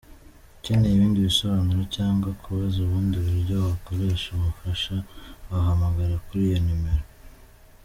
Ukeneye ibindi bisobanuro cyangwa kubaza ubundi buryo wakoresha umufasha, wahamagara kuri iyo numero.